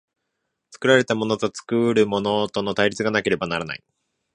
作られたものと作るものとの対立がなければならない。